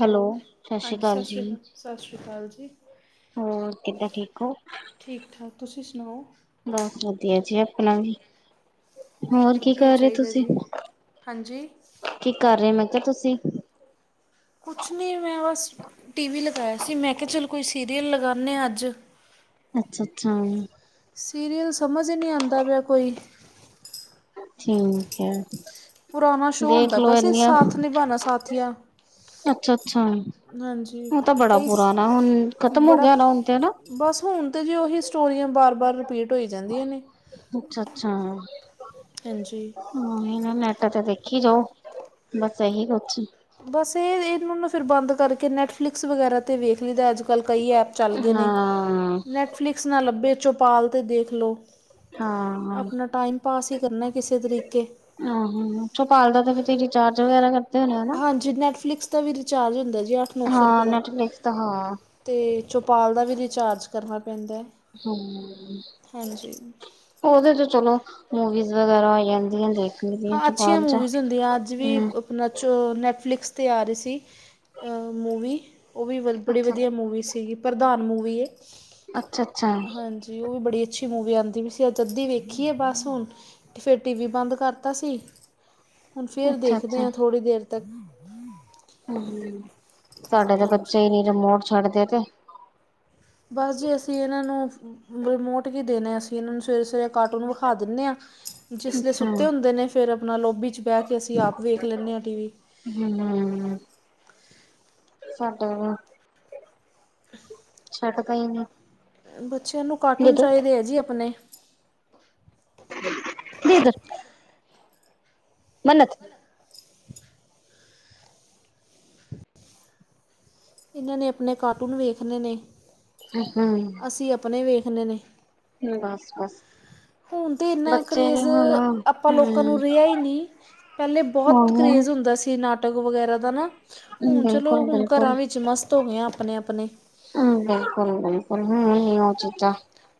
Hello, ਸਤਿ ਸ਼੍ਰੀ ਅਕਾਲ ਜੀ। ਸਤਿ ਸ਼੍ਰੀ ਅਕਾਲ ਜੀ। ਹੋਰ ਕਿੱਦਾਂ ਠੀਕ ਹੋ ਠੀਕ ਠਾਕ ਤੁਸੀਂ ਸੁਣਾਓ ਬਸ ਵਧੀਆ ਜੀ, ਆਪਣਾ ਵੀ ਹੋਰ ਕੀ ਵਧੀਆ ਹੀ ਕਰ ਰਹੇ ਚਾਹੀਦਾ ਤੁਸੀਂ ਜੀ ਹਾਂਜੀ ਕੀ ਕਰ ਰਹੇ ਮੈਂ ਕਿਹਾ ਤੁਸੀਂ ਕੁਛ ਨਹੀਂ, ਮੈਂ ਬਸ ਟੀ ਵੀ ਲਗਾਇਆ ਸੀ, ਮੈਂ ਕਿਹਾ ਚਲ ਕੋਈ ਸੀਰੀਅਲ ਲਗਾਉਂਦੇ ਹਾਂ ਅੱਜ ਅੱਛਾ -ਅੱਛਾ ਸੀਰੀਅਲ ਸਮਝ ਨਹੀਂ ਆਉਂਦਾ ਪਿਆ ਕੋਈ ਠੀਕ ਹੈ। ਪੁਰਾਣਾ ਸ਼ੋਅ ਦੇਖ ਹੁੰਦਾ ਪਿਆ ਲੋ ਸੀ ਇੰਨੀਆਂ ਸਾਥ ਨਿਭਾਉਣਾ ਸਾਥੀਆਂ ਅੱਛਾ -ਅੱਛਾ ਹਾਂਜੀ ਉਹ ਤਾਂ ਬੜਾ ਕਈ ਪੁਰਾਣਾ ਹੁਣ ਖਤਮ ਹੋ ਬੜਾ ਗਿਆ ਨਾ ਹੁਣ ਤੇ ਹਨਾ ਬਸ, ਹੁਣ ਤਾਂ ਜੇ ਉਹੀ ਸਟੋਰੀਆਂ ਬਾਰ ਬਾਰ ਰਿਪੀਟ ਹੋਈ ਜਾਂਦੀਆਂ ਨੇ ਅੱਛਾ ਅੱਛਾ ਹਾਂਜੀ ਹ ਅ ਨੈਟ ਚ ਦੇਖੀ ਜੋ ਬਸ ਇਹੀ ਕੁਛ ਹੀ ਬਸ ਇਹ ਵੇਖ ਫਿਰ ਬੰਦ ਕਰਕੇ, ਨੈਟਫਲਿਕਸ ਵਗੈਰਾ ਤੇ ਵੇਖ ਲਈਦਾ ਅੱਜ ਕੱਲ ਕਈ ਐਪ ਚੱਲ ਗਏ ਨੇ ਨੈਟ ਹਾਂ ਨੈਟਫਲਿਕਸ ਨਾਲ ਲੱਭੇ ਚੌਪਾਲ ਦੇ ' ਦੇਖ ਲਓ ਹਾਂ ਆਪਣਾ ਟਾਈਮ ਪਾਸ ਹੀ ਕਰਨਾ ਕਿਸੇ ਤਰੀਕੇ ਆਹ ਚੋਪਾਲ ਦਾ ਤੇ ਰਿਚਾਰਜ ਵਗੈਰਾ ਕਰ ਹਾਂਜੀ, ਨੈੱਟਫਲਿਕਸ ਦਾ ਵੀ ਰਿਚਾਰਜ ਹੁੰਦਾ ਜੀ ਅੱਠ ਨੌ ਸੌ ਹਾਂ, ਰੁਪਏ ਦਾ ਨੈਟਫਲਿਕਸ ਤਾਂ ਹਾਂ ਅਤੇ ਚੌਪਾਲ ਦਾ ਵੀ ਰਿਚਾਰਜ ਕਰਨਾ ਪੈਂਦਾ ਹਮ ਹਾਂਜੀ ਉਹਦੇ ਤੇਚ ਚਲੋ, ਮੂਵੀਜ਼ ਵਗੈਰਾ ਹੋ ਜਾਂਦੀਆਂ ਦੇਖ ਲਈਦੀਆਂ ਹਾਂ, ਚ ਅੱਛੀਆਂ ਬਾਅਦ ਚ ਮੂਵੀਜ਼ ਹੁੰਦੀਆਂ ਅੱਜ ਵੀ ਹਮ ਅੱਜ ਨੈੱਟਫਲਿਕਸ 'ਤੇ ਆ ਰਹੀ ਸੀ ਮੂਵੀ ਮੂਵੀ ਬੜੀ ਅੱਛਾ ਵਧੀਆ ਮੂਵੀ ਸੀਗੀ, ਪ੍ਰਧਾਨ ਮੂਵੀ ਏ ਅੱਛਾ- ਅੱਛਾ ਤੇ ਉਹ ਵੀ ਬੜੀ ਅੱਛੀ ਮੂਵੀ ਆਉਂਦੀ ਪਈ ਸੀ ਅੱਜ ਅੱਧੀ ਵੇਖੀ ਹੈ ਬਸ ਹੁਣ ਤੇ ਫਿਰ ਟੀ ਵੀ ਬੰਦ ਕਰਤਾ ਸੀ, ਹੁਣ ਫੇਰ ਅੱਛਾ ਦੇਖਦੇ ਅੱਛਾ ਹਾਂ ਥੋੜ੍ਹੀ ਦੇਰ ਤ ਹਮ ਹ ਸਾਡੇ ਤਾਂ ਬੱਚਾ ਹੀ ਨੀ ਰਿਮੋਟ ਛੱਡਦੇ ਤੇ ਬਸ ਜੇ ਅਸੀਂ ਇਹਨਾਂ ਨੂੰ ਰਿਮੋਟ ਕੀ ਦੇਣੇ ਅਸੀਂ, ਇਹਨਾਂ ਨੂੰ ਸਵੇਰੇ- ਸਵੇਰੇ ਕਾਰਟੂਨ ਵਿਖਾ ਦਿੰਦੇ ਹਾਂ। ਜਿਸ ਲੇ ਅੱਛਾ ਸੁੱਤੇ ਹੁੰਦੇ ਨੇ ਫਿਰ ਆਪਣਾ ਲੋਬੀ 'ਚ ਬਹਿ ਕੇ ਅਸੀਂ ਆਪ ਵੇਖ ਲੈਂਦੇ ਹਾਂ, ਟੀ ਵੀ ਹਮ ਹ ਸਾਡੇ ਛੱਡ ਦੇ ਹੀ ਨਹੀਂ ਬੱਚਿਆਂ ਨੂੰ ਕਾਰਟੂਨ ਚਾਹੀਦੇ ਹੈ ਜੀ, ਆਪਣੇ ਬੀਦਰ ਮੰਨਤ ਇਹਨਾਂ ਨੇ ਆਪਣੇ ਕਾਰਟੂਨ ਵੇਖਣੇੇ ਨੇ ਹੂੰ, ਅਸੀਂ ਆਪਣੇ ਵੇਖਣੇ ਨੇ ਬਸ ਬਸ ਹੁਣ ਤਾਂ ਏਨਾ ਬੱਚੇ ਵੀ ਕਰੇਜ਼ ਹੁਣ ਆਪਾਂ ਹਮ ਲੋਕਾਂ ਨੂੰ ਰਿਆ ਈ ਨੀ ਪੈਲੇ ਬਹੁਤ ਉਹੀ ਨਾ ਕਰੇਜ਼ ਹੁੰਦਾ ਸੀ ਨਾਟਕ ਵਗੈਰਾ ਦਾ ਨਾ। ਹੁਣ ਚਲੋ ਬਿਲਕੁਲ ਹੁਣ ਘਰਾਂ ਬਿਲਕੁਲ ਵਿੱਚ ਮਸਤ ਹੋਗੇ ਆ ਆਪਣੇ- ਆਪਣੇ। ਹੂੰ, ਬਿਲਕੁਲ ਬਿਲਕੁਲ, ਹੁਣ ਨੀ ਓ ਚੀਜ਼ਾਂ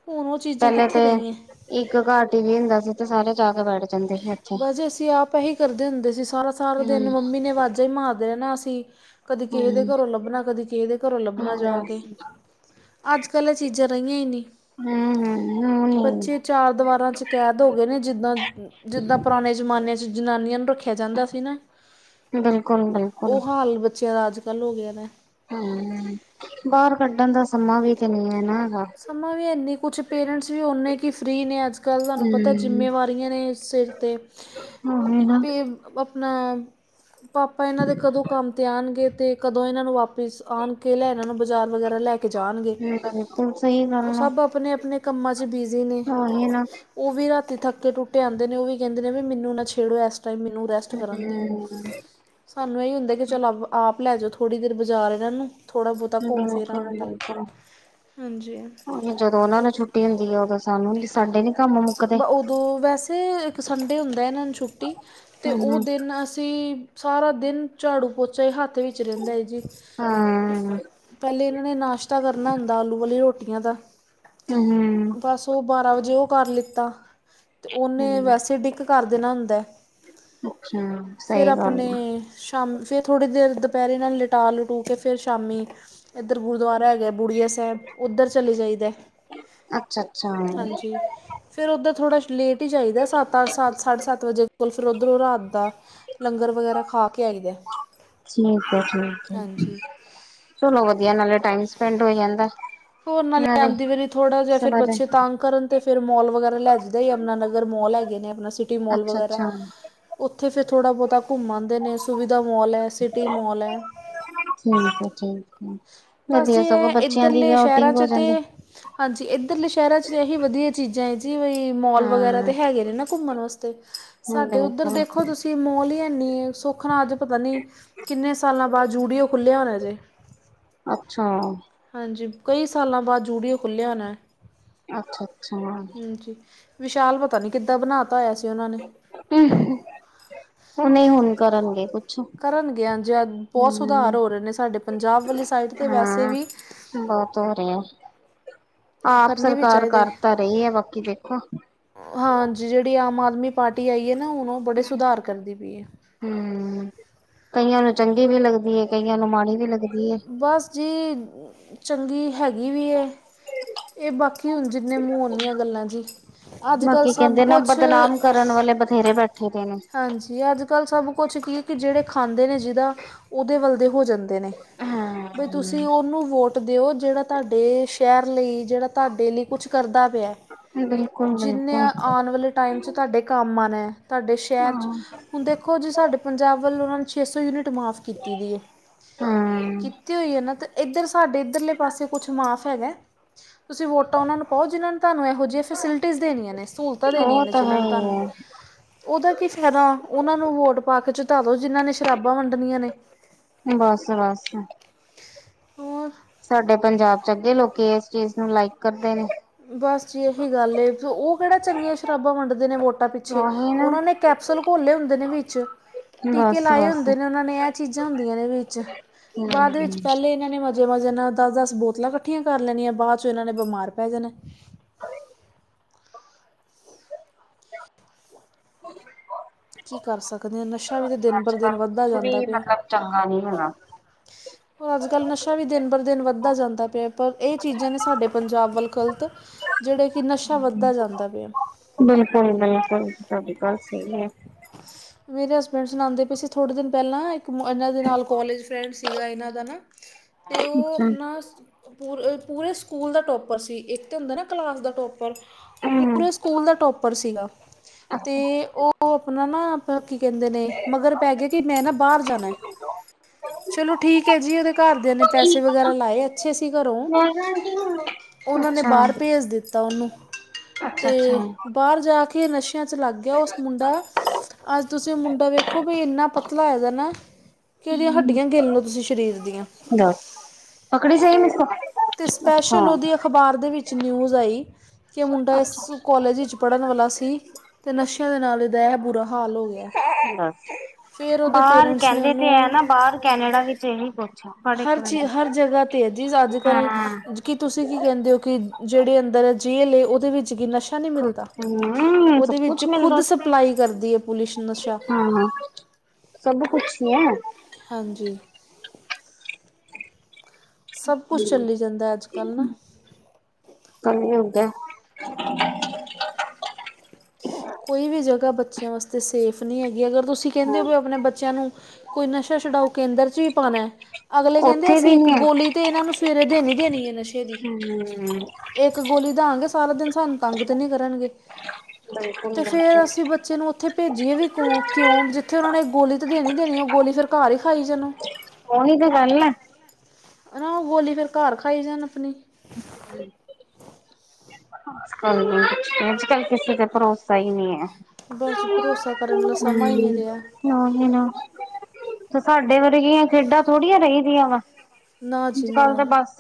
ਹੁਣ ਓ ਚੀਜ਼ਾਂ ਪਹਿਲੇ ਕਿੱਥੇ ਤੇ ਰਹੀਆਂ। ਇੱਕ ਘਰ ਟੀਵੀ ਹੁੰਦਾ ਸੀ ਤੇ ਸਾਰੇ ਜਾ ਕੇ ਬੈਠ ਜਾਂਦੇ ਸੀ ਉੱਥੇ। ਵੈਸੇ ਅਸੀਂ ਆਪ ਇਹੀ ਕਰਦੇ ਹੁੰਦੇ ਸੀ, ਸਾਰਾ ਸਾਰਾ ਹੂੰ, ਦਿਨ ਮੰਮੀ ਨੇ ਵਾਜ਼ਾਂ ਈ ਮਾਰਦੇ ਰੈਣਾ ਅਸੀਂ ਕਦੀ ਹੂੰ, ਕਿਸੇ ਦੇ ਘਰੋਂ ਲੱਭਣਾ, ਕਦੀ ਕਿਸੇ ਦੇ ਘਰੋਂ ਲੱਭਣਾ ਹੂੰ, ਜਾ ਕੇ ਅੱਜ ਕੱਲ ਏ ਚੀਜ਼ਾਂ ਰਹੀਆਂ ਈ ਨੀ ਹੂੰ, ਹੂੰ ਨੀ। ਬੱਚੇ ਚ ਚਾਰ ਦਵਾਰਾਂ ਚ ਕੈਦ ਹੋਗੇ ਨੇ ਜਿੱਦਾਂ ਜਿੱਦਾਂ ਪੁਰਾਣੇ ਜ਼ਮਾਨੇ ਚ ਜਨਾਨੀਆਂ ਨੂੰ ਰੱਖਿਆ ਜਾਂਦਾ ਸੀ ਨਾ। ਬਿਲਕੁਲ-ਬਿਲਕੁਲ ਓ ਹਾਲ ਬੱਚਿਆਂ ਦਾ ਅੱਜ ਕੱਲ ਹੋ ਗਿਆ ਵੈ। ਹੂੰ, ਬਾਰ ਕੱਢਣ ਦਾ ਸਮਾਂ ਵੀ ਤੇ ਨੀ ਐ ਨਾ ਹੈਗਾ। ਸਮਾਂ ਵੀ ਹੈਨੀ, ਕੁਛ ਪੇਰੈਂਟਸ ਵੀ ਉਨੇ ਕਿ ਫਰੀ ਨੇ ਅੱਜ ਕੱਲ, ਤੁਹਾਨੂੰ ਪਤਾ ਹੂੰ, ਜ਼ਿੰਮੇਵਾਰੀਆਂ ਨੇ ਸਿਰ ਤੇ ਉਹੀ ਨਾ ਤੇ ਆਪਣਾ ਪਾਪਾ ਇਹਨਾਂ ਦੇ ਕਦੋਂ ਕੰਮ ਤੇ ਆਣਗੇ ਤੇ ਕਦੋਂ ਇਹਨਾਂ ਨੂੰ ਵਾਪਿਸ ਆਣ ਕੇ ਲੈਣ ਇਹਨਾਂ ਨੂੰ ਬਾਜ਼ਾਰ ਵਗੈਰਾ ਲੈ ਕੇ ਜਾਣਗੇ। [unintelligible] ਹੁਣ ਸਈ ਏ ਓ ਸਭ ਆਪਣੇ ਆਪਣੇ ਕੰਮਾਂ ਚ ਬਿਜ਼ੀ ਨੇ। ਉਹੀ ਨਾ ਓ ਵੀ ਰਾਤੀ ਥੱਕੇ ਟੁਟੇ ਆਂਦੇ ਨੇ, ਓ ਵੀ ਕਹਿੰਦੇ ਨੇ ਵੀ ਮੈਨੂੰ ਨਾ ਛੇੜੋ ਇਸ ਟਾਈਮ ਮੈਨੂੰ ਰੈਸਟ ਕਰਨ ਦੋ। ਹੂੰ ਸਾਨੂੰ ਇਹੀ ਹੁੰਦਾ ਕਿ ਚੱਲ ਆਪ ਆਪ ਲੈਜੋ ਥੋੜ੍ਹੀ ਦੇਰ ਬਾਜ਼ਾਰ ਇਹਨਾਂ ਨੂੰ ਥੋੜ੍ਹਾ ਬਹੁਤ ਘੁੰਮ-ਫਿਰ ਆਣਗੇ, ਬਿਲਕੁਲ-ਬਿਲਕੁਲ। ਹਾਂਜੀ। ਜਦੋਂ ਉਹਨਾਂ ਨੂੰ ਛੁੱਟੀ ਹੁੰਦੀ ਏ, ਉਦੋਂ ਸਾਨੂੰ ਸਾਡੇ ਨੀ ਕੰਮ ਮੁੱਕਦੇ। ਤੇ ਇੱਕ ਸੰਡੇ ਹੁੰਦਾ ਏਨਾਂ ਨੂੰ ਛੁੱਟੀ ਤੇ ਹੂੰ, ਓ ਹੂੰ, ਦਿਨ ਅਸੀਂ ਸਾਰਾ ਦਿਨ ਝਾੜੂ-ਪੋਚਾ ਈ ਹੱਥ ਵਿੱਚ ਰਹਿੰਦਾ ਐ ਜੀ। ਹਾਂ, ਪਹਿਲੇ ਨਾਸ਼ਤਾ ਕਰਨਾ ਹੁੰਦਾ ਆਲੂ ਵਾਲੀ ਰੋਟੀਆਂ ਦਾ ਹੂੰ। ਬਸ ਓ ਬਾਰਾਂ ਵਜੇ ਉਹ ਕਰ ਲਿੱਤਾ ਤੇ ਉਹਨੇ ਹੂੰ। ਵੈਸੇ ਡਿੱਕ ਕਰ ਦੇਣਾ ਹੁੰਦਾ। ਅੱਛਾ ਫੇਰ ਸਹੀ ਗੱਲ ਆਪਣੇ ਆ ਸ਼ਾਮ ਫੇਰ ਥੋੜ੍ਹੀ ਦੇਰ ਦੁਪਹਿਰੇ ਇਹਨਾਂ ਨੂੰ ਲੇਟਾ ਲਟੁ ਕੇ ਫੇਰ ਸ਼ਾਮੀ ਇੱਧਰ ਗੁਰੂਦੁਆਰਾ ਹੈਗਾ ਬੁੜੀਆਂ ਸਾਹਿਬ ਉੱਧਰ ਚਲੇ ਜਾਈ ਦਾ। ਅੱਛਾ ਅੱਛਾ। ਫਿਰ ਉਧਰ ਥੋੜਾ ਲੇਟ ਈ ਜਾਈਦਾ, ਸੱਤ ਅੱਠ ਸਾਡੇ਼ ਸੱਤ ਵਜੇ, ਫਿਰ ਉੱਧਰੋ ਰਾਤ ਦਾ ਲੰਗਰ ਵਗੈਰਾ ਖਾ ਕੇ ਆਈਦਾ ਠੀਕ ਐ, ਠੀਕ ਐ ਹਾਂਜੀ ਚਲੋ ਵਧੀਆ ਨਾਲੇ ਟਾਈਮ ਸਪੈਂਡ ਹੋ ਜਾਂਦਾ। ਹੋਰ ਨਾਲੇ ਆਂਦੀ ਵਾਰੀ ਥੋੜਾ ਜਾ ਫੇਰ ਸਵੇਰੇ ਬੱਚੇ ਤਂਗ ਕਰਨ ਤੇ ਫਿਰ ਮੋਲ ਵਗੈਰਾ ਲੈ ਜਾਈ ਦਾ, ਯਮੁਨਾਨਗਰ ਮੋਲ ਹੈਗੇ ਨੇ। ਸਿਟੀ ਮੋਲ ਵਗੈਰਾ [unintelligible] ਉੱਥੇ ਫੇਰ ਥੋੜਾ ਬਹੁਤਾ ਘੁੰਮ ਆਂਦੇ ਨੇ, ਸੁਵਿਧਾ ਮੋਲ ਏ ਸਿਟੀ ਮੋਲ ਏ, ਠੀਕ ਹੈ ਠੀਕ ਹੈ ਬਸ ਜੀ ਵਧੀਆ ਸਗੋਂ ਏ ਬੱਚਿਆਂ ਦੀ ਵੀ ਇੱਧਰਲੇ ਸ਼ਹਿਰਾਂ ਆਊਟਿੰਗ ਹੋ ਚ ਤੇ ਜਾਂਦੀ ਹਾਂਜੀ ਇੱਧਰਲੇ ਸ਼ਹਿਰਾਂ ਚ ਏਹੀ ਵਧੀਆ ਚੀਜ਼ਾਂ ਹੈ ਜੀ, ਵਈ ਮਾਲ ਵਗੈਰਾ ਹਾਂ ਤੇ ਹੈਗੇ ਨੇ ਨਾ ਘੁੰਮਣ ਵਾਸਤੇ ਹਾਂ ਸਾਡੇ ਉੱਧਰ ਬਿਲਕੁਲ ਦੇਖੋ ਤੁਸ ਕਿ ਮੋਲ ਹੀ ਹੈਨੀ, ਸੁੱਖ ਨਾਲ ਅੱਜ ਪਤਾ ਨੀ ਕਿੰਨੇ ਸਾਲਾਂ ਬਾਦ ਜੂਡੀਓ ਖੁੱਲ੍ਹਿਆ ਹੁਣ ਜੇ ਅੱਛਾ ਹਾਂਜੀ ਕਈ ਸਾਲਾਂ ਬਾਅਦ ਜੂਡੀਓ ਖੁੱਲ੍ਹਿਆ ਹੋਣਾ ਐ ਅੱਛਾ ਅੱਛਾ ਹਾਂਜੀ ਵਿਸ਼ਾਲ ਪਤਾ ਨੀ ਕਿੱਦਾਂ ਬਣਾ ਤਾ ਹੋਇਆ ਸੀ ਉਹਨਾਂ ਨੇ ਹਮ ਹੁ ਨਹੀਂ ਹੁਣ ਕਰਨਗੇ ਕੁ ਕਰਨਗ ਜੇ ਬਹੁਤ ਸੁਧਾਰ ਹੋ ਰਹੇ ਨੇ ਸਾਡੇ ਪੰਜਾਬ ਵਾਲੀ ਸਾਈਡ ਤੇ ਵੈਸੇ ਹਾਂ ਵੀ ਬਹੁਤ ਹੋ ਰੇ ਆ ਆਪ ਕਰਨੇ ਵੀ ਸਰਕਾਰ ਚਾਹੀਦੇ ਕਰ ਤਾਂ ਰਹੀ ਹੈ ਬਾਕੀ ਦੇਖੋ ਹਾਂਜੀ ਜਿਹੜੀ ਆਮ ਆਦਮੀ ਪਾਰਟੀ ਆਈ ਨਾ ਹੁਣ ਉਹ ਬੜੇ ਸੁਧਾਰ ਕਰਦੀ ਪਈਏ ਹਮ ਕਈਆਂ ਨੂੰ ਚੰਗੀ ਵੀ ਲੱਗਦੀ ਐ ਕਈਆਂ ਨੂੰ ਮਾੜੀ ਵੀ ਲੱਗਦੀ ਐ ਬਸ ਜੀ ਚੰਗੀ ਹੈਗੀ ਵੀ ਏ ਇਹ ਬਾਕੀ ਹੁਣ ਜਿੰਨੇ ਮੂੰਹ ਓਨੀਆਂ ਗੱਲਾਂ ਜੀ ਅੱਜ ਕੱਲ੍ਹ ਬਾਕੀ ਸਭ ਕਹਿੰਦੇ ਨਾ ਕੁਛ ਬਦਨਾਮ ਕਰਨ ਵਾਲੇ ਬਥੇਰੇ ਬੈਠੇ ਦੇ ਨੇ ਹਾਂਜੀ ਅੱਜ ਕੱਲ੍ਹ ਸਭ ਕੁਛ ਕੀ ਹ ਕਿ ਜਿਹੜੇ ਖਾਂਦੇ ਨੇ ਜਿਹਦਾ ਉਹਦੇ ਵੱਲਦੇ ਹੋ ਜਾਂ ਦੇ ਨੇ ਬ ਹਾਂ, ਤੁਸੀਂ ਉਹਨੂੰ ਵੋ ਟ ਦਿਓ ਜਿਹੜਾ ਤੁਹਾਡੇ ਸ਼ਹਿਰ ਲਈ ਜਿਹੜਾ ਤੁਹਾਡੇ ਲਈ ਕੁਛ ਕਰਦਾ ਪਿਆ ਜਿੰਨੇ ਬਿਲਕੁਲ-ਬਿਲਕੁਲ ਆਉਣ ਵਾਲੇ ਟਾਈਮ ਚ ਤਾਡੇ ਕੰਮ ਆਨੈ ਤੁਹਾਡੇ ਸ਼ਹਿਰ ਚ ਹਾਂ। ਹੁਣ ਦੇਖੋ ਜੀ ਸਾਡੇ ਪੰਜਾਬ ਵੱਲ ਉਹਨਾਂ ਛੇ ਸੌ ਯੂਨਿਟ ਮਾਫ਼ ਕੀਤੀ ਵੀ ਐ ਹੂੰ, ਕੀਤੀ ਹੋਈ ਐ ਨਾ ਤੇ ਐਦਰ ਸਾਡੇ [unintelligible] ਇੱਧਰਲੇ ਪਾਸੇ ਕੁਛ ਮਾਫ਼ ਹੈਗਾ ਤੁਸੀਂ ਵੋਟਾਂ ਉਹਨਾਂ ਨੂੰ ਪਾਓ ਜਿਨ੍ਹਾਂ ਨੇ ਤੁਹਾਨੂੰ ਇਹੋ ਜਿਹੀਆਂ ਫੈਸਿਲਿਟੀਜ਼ ਦੇਣੀਆਂ ਨੇ ਸਹੂਲਤਾਂ ਦੇਣੀਆਂ ਉਹ ਨੇ ਤਾਂ ਜਿਨ੍ਹਾਂ ਹੈ ਨੇ ਤੁਹਾਨੂੰ ਈ ਉਹਦਾ ਕੀ ਫਾਇਦਾ ਉਹਨਾਂ ਨੂੰ ਵੋਟ ਪਾ ਕੇ ਚਤਾ ਦੋ ਜਿਹਨਾਂ ਨੇ ਸ਼ਰਾਬਾਂ ਵੰਡਣੀਆਂ ਨੇ ਬਸ ਬੱਸ ਹੋਰ ਸਾਡੇ ਪੰਜਾਬ ਚ ਅੱਗੇ ਲੋਕੀ ਇਸ ਚੀਜ਼ ਨੂੰ ਲਾਈਕ ਕਰਦੇ ਨੇ ਬਸ ਜੀ ਇਹੀ ਗੱਲ ਏ ਉਹ ਕਿਹੜਾ ਚੰਗੀਆਂ ਸ਼ਰਾਬਾਂ ਵੰਡਦੇ ਨੇ ਵੋਟਾਂ ਪਿੱਛੇ ਉਹੀ ਨਾ ਉਹਨਾਂ ਨੇ ਕੈਪਸੂਲ ਘੋਲੇ ਹੁੰਦੇ ਨੇ ਵਿੱਚ ਟੀਕੇ ਲਾਏ ਬਸ-ਬਸ ਹੁੰਦੇ ਹੂੰ। ਨੇ ਉਹਨਾਂ ਨੇ ਇਹ ਚੀਜ਼ਾਂ ਹੁੰਦੀਆਂ ਨੇ ਇਹ ਵਿੱਚ ਬਾਅਦ ਵਿੱਚ ਪਹਿਲਲੇ ਇਹਨਾਂ ਨੇ ਮ ਜਿਾਂ ਜਿਨਾਂ ਦਸ ਦਸ ਬੋਤਲਾਂ ਇਕੱਠੀਆਂ ਕਰ ਲੈਣੀਆਂ ਬਾਅਦ ਚ ਇਹਨਾਂ ਨੇ ਬਿਮਾਰ ਪੈ ਜਾਣਾ ਹ [unintelligible] ਕੀ ਕਰ ਸਕਦੇ ਹਾਂ ਨਸ਼ਾ ਵੀ ਤਾਂ ਦਿਨ ਬਰ ਦਿਨ ਅੱਜ-ਕੱਲ ਵੱਧਦਾ ਕੁਛ ਜਾਂਦਾ ਵੀ ਪਿਆ ਮਤਲਬ ਚੰਗਾ ਨੀ ਹੈਗਾ ਰ ਅੱਜ ਕੱਲ੍ਹ ਨਸ਼ਾ ਵੀ ਦਿਨ ਬਰ ਦਿਨ ਵੱਧਦਾ ਜਾਂਦਾ ਪਿਆ ਪਰ ਇਹ ਚੀਜ਼ਾਂ ਨੇ ਸਾਡੇ ਪੰਜਾਬ ਵੱਲ ਗ਼ਲਤ ਜਿਹੜੇ ਕਿ ਨਸ਼ਾ ਵੱਧਦਾ ਜਾਂਦਾ ਪਿਆ ਬਿਲਕੁਲ ਬਿਲਕੁਲ ਜੀ ਤੁਹਾਡੀ ਗੱਲ ਸਹੀ ਹੈ ਮੇਰੇ ਹਸਬੈਂਡ ਸੁਣਾਂਦੇ ਪਏ ਸੀ ਥੋੜੇ ਦਿਨ ਪਹਿਲਾਂ ਇੱਕ ਇਹਨਾਂ ਦੇ ਨਾਲ ਕੋਲੇਜ ਫਰੈਂਡ ਸੀਗਾ ਇਹਨਾਂ ਦਾ ਨਾ ਤੇ ਉਹ ਆਪਣਾ ਪੂਰੇ ਪੂਰੇ ਸਕੂਲ ਦਾ ਟੋਪਰ ਸੀ ਇੱਕ ਤੇ ਹੁੰਦਾ ਨਾ ਕਲਾਸ ਦਾ ਟੋਪਰ ਉਹ ਹੂੰ। ਪੂਰੇ ਸਕੂਲ ਦਾ ਟੋਪਰ ਸੀਗਾ ਅਤੇ ਅੱਛਾ, ਉਹ ਆਪਣਾ ਨਾ ਕੀ ਕਹਿੰਦੇ ਨੇ ਮਗਰ ਪੈ ਗਿਆ ਕਿ ਮੈਂ ਨਾ ਬਾਹਰ ਜਾਣਾ ਐ ਚਲੋ ਠੀਕ ਹੈ ਜੀ ਉਹਦੇ ਘਰਦਿਆਂ ਨੇ ਪੈਸੇ ਵਗੈਰਾ ਲਾਏ ਅੱਛੇ ਸੀ ਘਰੋਂ ਉਹਨਾਂ ਨੇ ਅੱਛਾ, ਬਾਹਰ ਭੇਜ ਦਿੱਤਾ ਉਹਨੂੰ ਅੱਛਾ। ਤੇ ਬਾਹਰ ਜਾ ਕੇ ਨਸ਼ਿਆਂ 'ਚ ਲੱਗ ਗਿਆ ਉਸ ਮੁੰਡਾ ਅੱਜ ਤੁਸੀਂ ਮੁੰਡਾ ਵੇਖੋ ਵੀ ਇੰਨਾ ਪਤਲਾ ਆਏ ਦਾ ਨਾ ਕਿ ਉਹਦੀਆਂ ਹੱਡ ਗਿੱਲਣੋ ਤੁਸੀਂ ਸਰੀਰ ਦੀਆਂ ਦਸ ਪਕੜ ਜਾਈ [unintelligible] ਤੇ ਸਪੈਸ਼ਲ ਉਹਦੀ ਅਖਬਾਰ ਦੇ ਵਿੱਚ ਨਿਊਜ਼ ਆਈ ਕਿ ਮੁੰਡਾ ਇਸ ਕੋਲਜ ਵਿੱਚ ਪੜ੍ਹਨ ਵਾਲਾ ਸੀ ਤੇ ਨਸ਼ਿਆਂ ਦੇ ਨਾਲ ਇਹਦਾ ਇਹ ਬੁਰਾ ਹਾਲ ਹੋ ਗਿਆ। ਬੱਸ ਫਿਰ ਉਹਦੇ ਬਾਹਰ ਪੇਰੈਂਟਸ ਨੇ ਕਹਿੰਦੇ ਤੇ ਹੈ ਉਹਨੂੰ ਨਾ ਬਾਹਰ ਕੈਨੇਡਾ ਵਿੱਚ ਇਹੀ ਆ। ਬੜੇ ਹਰ ਚੀਜ਼ ਹਰ ਜਗ੍ਹਾ ਹੈ ਜੀ ਅੱਜ ਹਾਂ, ਕੱਲ੍ਹ ਕੀ ਤੁਸੀਂ ਕੀ ਕਹਿੰਦੇ ਹੋ ਕਿ ਜੇਹੜੀ ਅੰਦਰ ਜੇਲ ਹੈ ਉਹਦੇ ਵਿੱਚ ਵੀ ਨਸ਼ਾ ਨਸ਼ਾ ਨਹੀਂ ਮਿਲਦਾ ਹੂੰ ਸਭ ਉਹਦੇ ਵਿੱਚ ਕੁਛ ਮਿਲਦਾ ਖੁਦ ਉੱਥੇ। ਸਪਲਾਈ ਕਰਦੀ ਹੈ ਪੁਲਿਸ ਨਸ਼ਾ ਹਾਂ, ਸਭ ਕੁਛ ਨ ਐ। ਹਾਂਜੀ। ਸਭ ਕੁਛ ਚੱਲ ਜਾਂਦਾ ਅੱਜ ਕੱਲ੍ਹ ਨਾ। ਕਲਯੁੱਗ ਐ। [unintelligible] ਕੋਈ ਵੀ ਜਗ੍ਹਾ ਬੱਚਿਆਂ ਵਾਸਤੇ ਸੇਫ ਨਹੀਂ ਹੈਗੀ। ਅਗਰ ਤੁਸੀਂ ਕਹਿੰਦੇ ਹੋ ਵੀ ਆਪਣੇ ਬੱਚਿਆਂ ਨੂੰ ਕੋਈ ਨਸ਼ਾ ਛਡਾਓ ਕੇਂਦਰ ਚ ਵੀ ਪਾਉਣਾ ਏ ਅਗਲੇ ਕਹਿੰਦੇ ਉੱਥੇ ਅਸੀਂ ਵੀ ਇੱਕ ਨੀ ਹੈ, ਗੋਲੀ ਤੇ, ਇਹਨਾਂ ਨੂੰ ਸਵੇਰੇ ਦੇਣੀ ਦੇਣੀ ਹੈ ਨਸ਼ੇ ਦੀ। ਹੂੰ ਇੱਕ ਗੋਲੀ ਦਾਗੇ ਸਾਰਾ ਦਿਨ ਸਾਨੂੰ ਤੰਗ ਤੇ ਨੀ ਕਰਨਗੇ। ਬਿਲਕੁਲ ਤੇ, ਫੇਰ ਬਿਲਕੁਲ। ਅਸੀਂ ਬੱਚੇ ਨੂੰ ਉੱਥੇ ਭੇਜੀਏ ਵੀ ਕਿਉਂ ਜਿੱਥੇ ਉਹਨਾਂ ਨੇ ਗੋਲੀ ਤਾਂ ਦੇਣੀ ਦੇਣੀ, ਉਹ ਗੋਲੀ ਫਿਰ ਘਰ ਹੀ ਖਾਈ ਜਾਣ ਉਹੀ ਤੇ ਗੱਲ ਹੈ। ਉਹ ਗੋਲੀ ਫਿਰ ਘਰ ਖਾਈ ਜਾਣ ਆਪਣੀ। [inaudible] ਹਾਜੀ ਅੱਜ ਕੱਲ ਕਿਸੇ ਤੇ ਭਰੋਸਾ ਹੀ ਨਹੀਂ ਹੈ। ਬਸ ਭਰੋਸਾ ਕਰਨ ਵਾਲਾ ਸਮਾਂ ਹੀ ਹੂੰ। ਨਹੀਂ ਰਿਹਾ ਨਾਂ ਜੀ ਨਾਂ ਤੇ ਸਾਡੇ ਵਰਗੀਆਂ ਖੇਡਾਂ ਥੋੜੀਆਂ ਰਹੀਦੀਆਂ ਵਾ। ਨਾ ਜੀ ਅੱਜਕਲ ਨਾ ਤੇ ਬਸ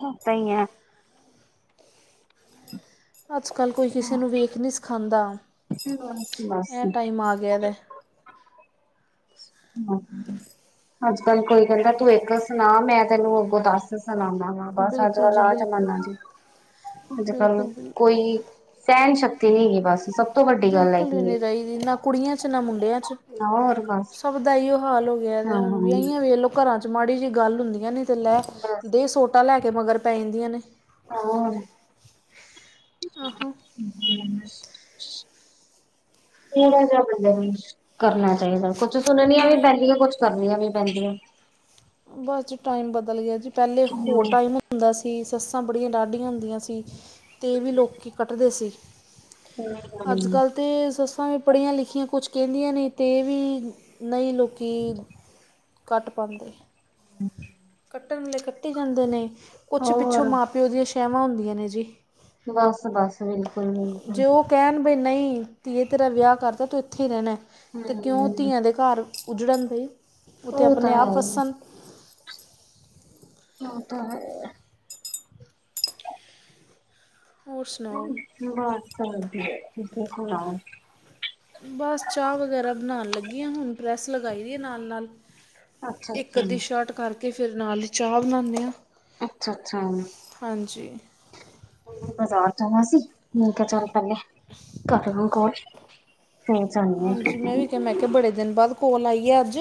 ਇਦਾਂ ਹੀ ਹੈ। ਅੱਜ ਕੱਲ੍ਹ ਕੋਈ ਕਿਸੇ ਨੂੰ ਵੇਖ ਨਹੀਂ ਸਿਖਾਉਂਦਾ ਬਸ ਬਸ ਐਂ ਟਾਈਮ ਆ ਗਿਆ ਵੈ। [unintelligible] [inaudible] ਅੱਜ ਕੱਲ ਕੋਈ ਕਹਿੰਦਾ, ਤੂੰ ਇੱਕ ਸੁਣਾ ਮੈਂ ਤੈਨੂੰ ਅੱਗੋਂ ਦੱਸ ਸੁਣਾਦਾ। ਹਾਂ ਬਸ ਅੱਜ ਬਿਲਕੁਲ ਕੱਲ ਜੀ ਆਹ ਬਿਲਕੁਲ ਜਮਾਨਾ ਜੀ ਅੱਜ ਕੱਲ ਬਿਲਕੁਲ ਬਿਲਕੁਲ ਕੋਈ ਸਹਿਣ ਸ਼ਕਤੀ ਨਹੀਂ ਹੈ। ਬਸ ਸਭ ਤੋਂ ਵੱਡੀ ਗੱਲ ਬਿਲਕੁਲ ਵੀ ਹੈਗੀ ਨਹੀਂ ਹੈ ਰਹੀਦੀ ਨਾ ਕੁੜੀਆਂ 'ਚ ਨਾ ਮੁੰਡਿਆਂ 'ਚ। ਹੋਰ ਬਸ ਸਭ ਦਾ ਓ ਹਾਲ ਹੋ ਗਿਆ। ਤੇ ਹਾਂ ਹੁਣ ਵੀਹੀਆਂ ਵੇਖ ਲੋ। ਘਰਾਂ ਚ ਮਾੜੀ ਜਿਹੀ ਗੱਲ ਹੁੰਦੀਆਂ ਨੇ ਤੇ ਲੈ ਬਸ ਦੇ ਸੋਟਾ ਲੈ ਕੇ ਮਗਰ ਪੈ ਜਾਂਦੀਆਂ ਨੇ। [unintelligible] ਆਹੋ। ਥੋੜਾ ਜਿਹਾ ਬੰਦੇ ਨੂੰ ਕਰਨਾ ਚਾਹੀਦਾ। ਕੁੱਛ ਸੁਣਨੀਆਂ ਵੀ ਟਾਈਮ ਪੈਂਦੀਆਂ ਕੁੱਛ ਕਰਨੀਆਂ ਵੀ ਪੈਂਦੀਆਂ। ਬਸ ਜੀ ਟਾਈਮ ਬਦਲ ਗਿਆ ਜੀ ਪਹਿਲੇ ਹੋਰ ਹਮ ਟਾਈਮ ਹੁੰਦਾ ਸੀ ਸੱਸਾਂ ਬੜੀਆਂ ਡਾਢੀਆਂ ਹੁੰਦੀਆਂ ਸੀ ਤੇ ਇਹ ਵੀ ਲੋਕੀ ਕੱਟਦੇ ਸੀ। ਅੱਜ ਕੱਲ੍ਹ ਅਤੇ ਸੱਸਾਂ ਵੀ ਪੜ੍ਹੀਆਂ ਲਿਖੀਆਂ, ਕੁਛ ਕਹਿੰਦੀਆਂ ਨਹੀਂ ਅਤੇ ਵੀ ਨਹੀਂ ਲੋਕੀ ਘੱਟ ਪਾਉਂਦੇ। ਅੱ ਕੱਟਣ ਆਲੇ ਕੱਟੀ ਜਾਂਦੇ ਨੇ, ਕੁਛ ਪਿੱਛੋਂ ਹੋਰ ਮਾਂ ਪਿਓ ਦੀਆਂ ਛੇਵਾਂ ਹੁੰਦੀਆਂ ਨੇ, ਜੀ। ਬਸ, ਬਸ, ਬਿਲਕੁਲ, ਬਿਲਕੁਲ ਕੈਣ ਬਈ ਨਹੀਂ ਧੀਏ ਤੇਰਾ ਵਿਆਹ ਕਰਦਾ, ਤੂੰ ਇੱਥੇ ਹੀ ਰੈਣਾ ਅਤੇ ਕਿਉਂ ਹਮ ਧੀਆਂ ਦੇ ਘਰ ਉੱਜੜਨ ਬਈ ਉਹਤੇ ਉਹ ਤਾਂ ਆਪਣੇ ਹੈ ਆਪ ਹੀ ਵੱਸਣ ਹਾਂ, ਤਾਂ ਹੈ। ਹੋਰ ਸੁਣਾਓ‌। ਬਸ ਵਧਿਆ, ਤੁਸੀਂ ਸੁਣਾਓ ਬਸ ਚਾਹ ਵਗੈਰਾ ਬਣਾਣ ਲੱਗੀ, ਹਾਂ ਹੁਣ ਪ੍ਰੈੱਸ ਲਗਾਈ ਦੀ ਹੈ, ਨਾਲ ਨਾਲ ਅੱਛਾ ਇੱਕ ਅੱਛਾ ਅੱਧੀ ਸ਼ਰਟ ਕਰਕੇ ਫਿਰ ਨਾਲ ਈ ਚਾਹ ਬਣਾਂਦੇ ਹਾਂ। ਅੱਛਾ ਅੱਛਾ ਹਾਂਜੀ ਬਾਜ਼ਾਰ ਜਾਣਾ ਸੀ। ਮੈ ਕੇਆ ਚੱਲ ਪੈਲਾ ਤਾਡੇ ਨਾਲ ਕੋਲ ਫੇਰ ਜਾਂਦੀ ਹਾਂ ਹਾਂਜੀ, ਮੈਂ ਵੀ ਕਿਹਾ ਮੈਂ ਕਿਹਾ ਬੜੇ ਦਿਨ ਬਾਅਦ ਕੋਲ ਆਈ ਹੈ, ਅੱਜ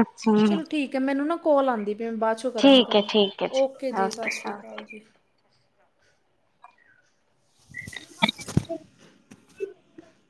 ਅੱਛਾ ਚਲੋ ਠੀਕ। ਮੈਨੂੰ ਨਾ ਕੋਲ ਆਂਦੀ ਵੀ ਮੈਂ ਬਾਅਦ 'ੋਂ ਕਰਾਂਗੀ ਠੀਕ ਹੈ ਤੁਹਾਨੂੰ ਠੀਕ ਹੈ ਓਕੇ, ਜੀ ਸਤਿ ਸ਼੍ਰੀ ਓਕੇ ਅਕਾਲ ਜੀ। [inaudible]